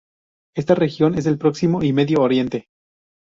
Esta región es el Próximo y Medio Oriente.